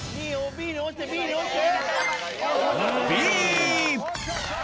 Ｂに落ちてＢに落ちて。